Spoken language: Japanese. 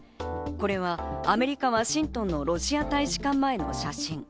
これはアメリカ・ワシントンのロシア大使館前の写真。